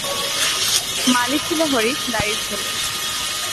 মালী ছিল হরিশ, দ্বারীর ছেলে।